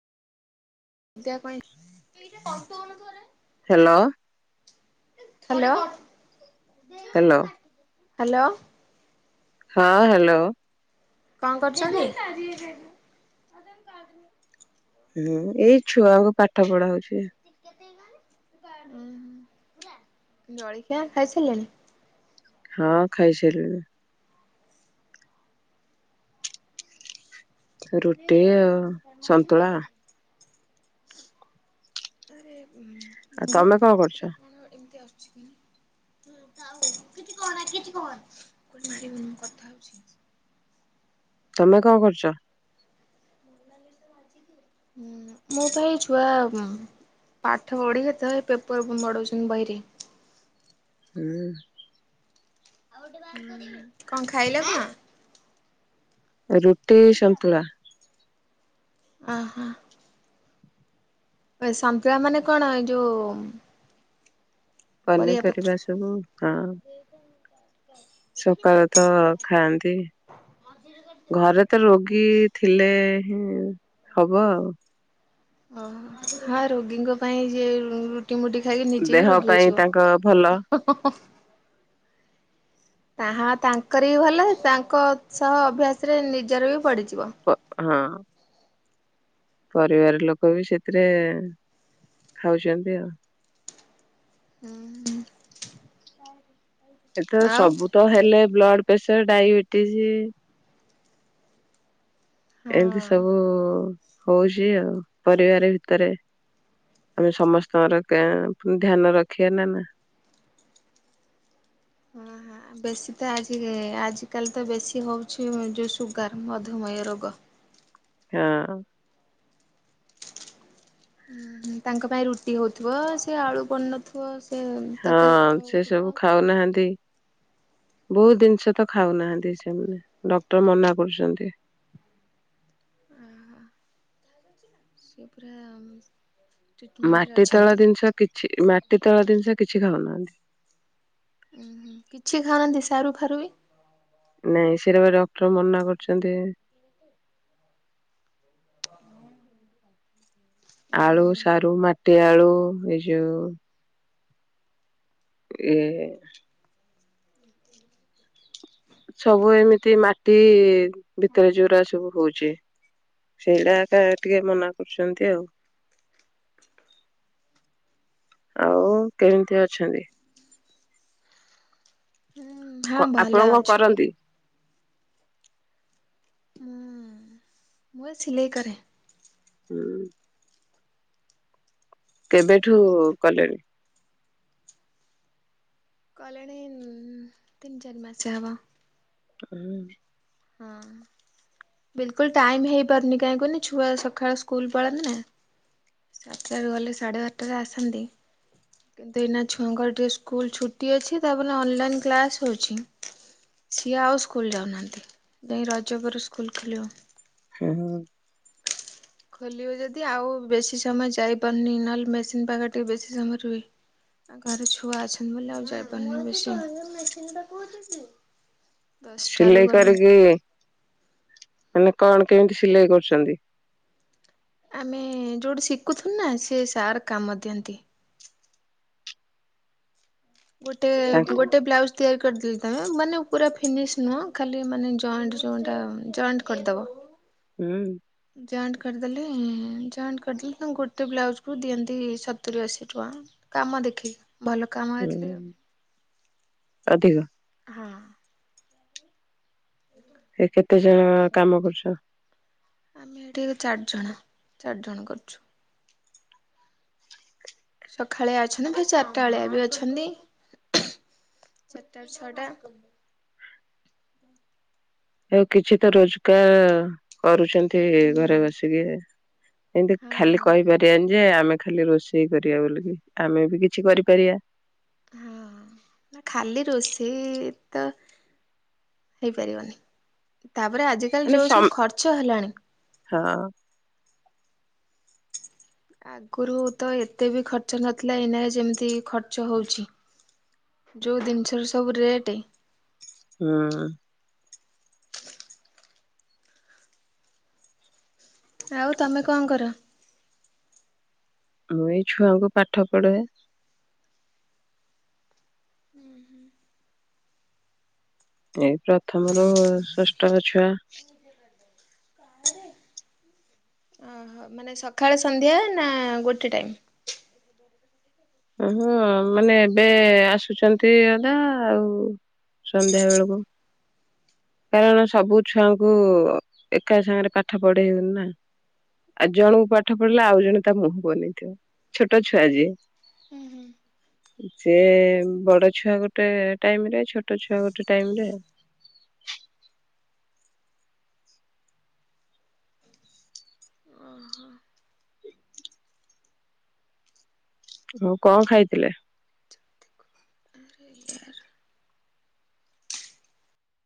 Hello [unintelligible] hello. Hello. [inaudible] Hello. [inaudible] ହଁ hello. କଁ କରୁଚନ୍ତି? [inaudible] ହୁଁ ଏଇ ଛୁଆଙ୍କୁ ପାଠ ପଢା ହଉଚି। ଜଳ ଖିଆ ଖାଇସାରିଲେଣି? ହଁ ଖାଇସାରିଲିଣି। ରୁଟି ଆଉ ସନ୍ତୁଳା। [inaudible] ଆରେ ଆଉ ନନ୍ଦୁ ତମେ କଣ କରୁଚ? [unintelligible] ମାରିବି ମୁଁ କଥା ହଉଚି। ତମେ କଣ କରୁଚ? ମୁଁ ତ ଏଇ ଛୁଆ ପାଠ ପଢିବେ ତ ପେପର ମଡଉଛନ୍ତି ବହିରେ। ହୁଁ। କଣ ଖାଇଲା କଣ? ରୁଟି ସନ୍ତୁଳା। ଓ ହୋ। ଏ ସମ୍ପ [unintelligible] ମାନେ କଣ ଏଇ ଯୋଉ ପରିବା ପତ୍ର? ପନିପରିବା ସବୁ। ହଁ। [inaudible] ପରିବା ତ ଖାଆନ୍ତି। ଘରେ ତ ରୋଗୀ ଥିଲେ ହବ ଆଉ। ଓୋ ହଁ ରୋଗୀଙ୍କ ପାଇଁ ଯି ରୁଟି ମୁଟି ଖାଇକି ନିଜେ ଦେହ ବି ରୋଗି ପାଇଁ ତାଙ୍କ ଭଲ ହେଇଯିବ। ତାହା ତାଙ୍କର ବି ଭଲ ତାଙ୍କ ସହ ଅଭ୍ୟାସ ରେ ନିଜର ବି ପଡିଛି। ବ ହଁ। ପରିବାର ଲୋକ ବି ସେଥିରେ ଖାଉଛନ୍ତି ଆଉ ହୁ ହଁ। ଏ ତ ସବୁ ତ ହେଲେ ବ୍ଲଡ଼ ପ୍ରେସର ଡାଇବେଟିସ୍। ହଁ ଏମିତି ସବୁ ହଉଛି ଆଉ ପରିବାର ଭିତରେ ଆମେ ସମସ୍ତଙ୍କର ଧ୍ୟାନ ରଖିବା ନା ନା ହ ବେଶୀ ତ ଆଜି ଆଜିିକାଲି ତ ବେଶୀ ହଉଛି ଯୋଉ ସୁଗାର ମଧୁମୟ ରୋଗ। ହଁ। ତାଙ୍କ ପାଇଁ ରୁଟି ହଉଥିବ ସେ ଆଳୁ ପଡୁ ନଥିବ। ହଁ ସେ ସବୁ ଖାଉନାହାନ୍ତି। ବହୁତ ଜିନିଷ ତ ଖାଉ ନାହାନ୍ତି ସେମାନେ ଡକ୍ଟର ମନା କରୁଛନ୍ତି। ସେପରା ମାଟି ତଳ ଜିନିଷ କିଛି ମାଟି ତଳ ଜିନିଷ କିଛି ଖାଉନ ନାହାନ୍ତି। ଉଁ ହୁଁ କିଛି ଖାଉନାହାନ୍ତି ସାରୁ ଫାରୁ ବି ନାଇଁ ସେଟାବା ଡକ୍ଟର ମନା କରୁଛନ୍ତି। ଉଁ ଆଳୁ ହୁଁ ସାରୁ ମା ମାଟିଆଳୁ ଏ ଯୋଉ ଏ ସବୁ ଏମିତି ମାଟି ଭିତରେ ଯୋରା ସବୁ ହଉଛି ସେଇଟା ଟିକେ ମନା କରୁଛନ୍ତି ଆଉ ଆଉ କେମିତି ଅଛନ୍ତି। ହୁଁ। ହଁ ଆପଣ ଭଲ କଣ ଅଛୁ କରନ୍ତି। ହୁଁ ମୁଁ ସିଲେଇ କରେ ହୁଁ। କେବେଠୁ କଲେଣି କଲେଣି ତିନି ଚାରି ମାସେ ହବ। ହୁଁ ହଁ ବିଲକୁଲ ଟାଇମ୍ ହେଇପାରୁନି କାହିଁକନି ଛୁଆ ସକାଳ ସ୍କୁଲ ପଳାନ୍ତି ନା ସାତଟାରେ ଗଲେ ସାଢ଼େ ବାରଟାରେ ଆସନ୍ତି କିନ୍ତୁ ଏଇନା ଛୁଆଙ୍କର ଟିକେ ସ୍କୁଲ ଛୁଟି ଅଛି ତାପରେ ଅନଲାଇନ୍ କ୍ଲାସ୍ ହେଉଛି ସିଏ ଆଉ ସ୍କୁଲ ଯାଉନାହାନ୍ତି। ଯାଇ ରଜ ପରେ ସ୍କୁଲ ଖୋଲିବ। ହୁଁ ଖୋଲିବେ ଯଦି ଆଉ ବେଶୀ ସମୟ ଯାଇପାରୁନି। ନହେଲେ ମେସିନ ପାଖ ଟିକେ ବେଶୀ ସମୟ ରୁହେ। ଆଉ ଘରେ ଛୁଆ ଅଛନ୍ତି ବୋଲି ଆଉ ଯାଇପାରୁନି। ଦଶଟାରୁ ସିଲେଇ ଗଲେ କରିକି? ମାନେ କଣ କେମିତି ସିଲେଇ କରୁଛନ୍ତି? ଆମେ ଯୋଉଠି ଶିଖୁଥିଲୁ ନା ସେ ସାର୍ କାମ ଦିଅନ୍ତି। ଗୋଟେ ତାଙ୍କ ଗୋଟେ ବ୍ଲାଉଜ ତିଆରି କରିଦେଲି। [unintelligible] ମାନେ ପୁରା ଫିନିଶ ନୁହଁ ଖାଲି ମାନେ ଜଏଣ୍ଟ ଯେଉଟା ଜଏଣ୍ଟ କରିଦେବ। ହୁଁ ଜଏଣ୍ଟ କରିଦେଲି ଜଏଣ୍ଟ କରିଦେଲି। ତାଙ୍କୁ ଗୋଟେ ବ୍ଲାଉଜକୁ ଦିଅନ୍ତି ସତୁରି ଅଶୀ ଟଙ୍କା କାମ ଦେଖିକି। ଭଲ କାମ ହେଇଥିଲ। ହୁଁ। ଅଧିକ ହଁ ଏ କେତେ ଜଣ କାମ କରୁଛ? ଆମେ ଏଠି ଚାରି ଜଣ ଚାରି ଜଣ କରୁଛୁ। ସଖାଳିଆ ଅଛନ୍ତି। ଫେରେ ଚାରିଟା ବେଳିଆ ବି ଅଛନ୍ତି। ଚାରିଟା ରୁ ଛଅଟା। ଆଉ [unintelligible] କିଛି ତ ରୋଜଗାର କରୁଛନ୍ତି ହୁଁ ଘରେ ବସିକି। ଏମତି ହଁ ଖାଲି କହିପାରିବନି ଯେ ଆମେ ଖାଲି ରୋଷେଇ କରିବା ବୋଲିକି? ଆମେ ବି କିଛି କରିପାରିବା। ହଁ। ନା ଖାଲି ରୋଷେଇ ତ ହେଇପାରିବନି। ତାପରେ ଆଜିିକାଲି ମାନେ ଯୋଉ ସବୁ ସମ୍ ଖର୍ଚ୍ଚ ହେଲାଣି? ହଁ ଆଗରୁ ତ ଏତେ ବି ଖର୍ଚ୍ଚ ନଥିଲା, ଏଇନା ଯେମିତି ଖର୍ଚ୍ଚ ହଉଛି। ଯୋଉ ଜିନିଷ ର ସବୁ ରେଟ ହଁ ଆଉ ତମେ କଣ କର? ମୁଁ ଏଇ ଛୁଆଙ୍କୁ ପାଠ ପଢାଏ ଏଇ ପ୍ରଥମରୁ ଷଷ୍ଠ ଛୁଆ ଓହୋ ମାନେ ସକାଳେ ସନ୍ଧ୍ୟା ନା ଗୋଟେ ଟାଇମ? ଆ ହଁ ମାନେ ଏବେ ଆସୁଛନ୍ତି ଅଧା, ଆଉ ସନ୍ଧ୍ୟା ବେଳକୁ। କାରଣ ସବୁ ଛୁଆଙ୍କୁ ଏକା ସାଙ୍ଗରେ ପାଠ ପଢେଇ ହଉନି ନା ଆଉ। ଜଣଙ୍କୁ ପାଠ ପଢିଲେ ଆଉ ଜଣେ ତା ମୁହଁ ବନେଇଥିବ, ଛୋଟ ଛୁଆ ଯିଏ। ହୁଁ ହୁଁ। ସେ ବଡ ଛୁଆ ଗୋଟେ ଟାଇମ ରେ, ଛୋଟ ଛୁଆ ଗୋଟେ ଟାଇମ ରେ ହ କଣ ଖାଇଥିଲେ?